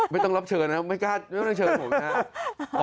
ไม่ต้องรับเชิญนะไม่กล้าเชิญผมนะ